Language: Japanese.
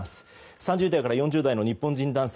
３０代から４０代の日本人男性